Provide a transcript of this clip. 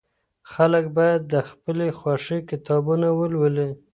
خلګ بايد د خپلي خوښې کتابونه ولولي.